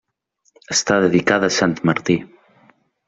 Està dedicada a sant Martí.